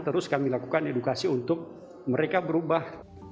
terus kami lakukan edukasi untuk mereka berubah